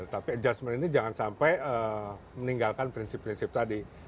tapi adjustment ini jangan sampai meninggalkan prinsip prinsip tadi